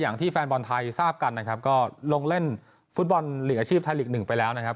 อย่างที่แฟนบอลไทยทราบกันนะครับก็ลงเล่นฟุตบอลหลีกอาชีพไทยลีกหนึ่งไปแล้วนะครับ